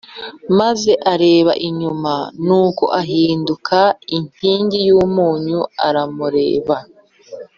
Maze areba inyuma nuko ahinduka inkingi y umunyu uramureba